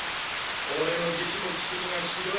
俺の義手も軋みがひどい。